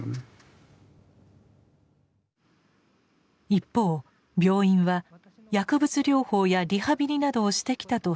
一方病院は薬物療法やリハビリなどをしてきたと主張しています。